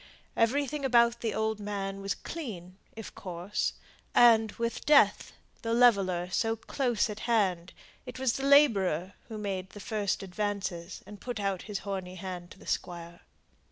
Everything about the old man was clean, if coarse; and, with Death, the leveller, so close at hand, it was the labourer who made the first advances, and put out his horny hand to the Squire.